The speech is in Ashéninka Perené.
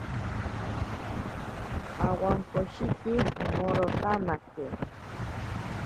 Awankoshiki omorotanake.